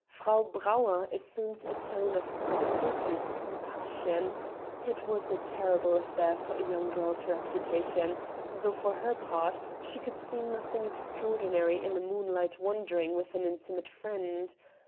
Frau Brauer assumed a tone of perfidious compassion: it was a terrible affair for a young girl's reputation, though, for her part, she could see nothing extraordinary in a moonlight wandering with an intimate friend.